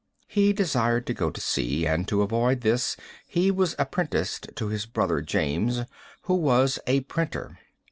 He desired to go to sea, and to avoid this he was apprenticed to his brother James, who was a printer.